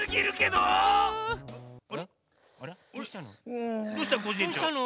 どうしたの？